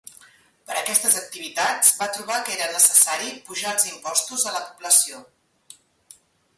Per aquestes activitats, va trobar que era necessari pujar els impostos a la població.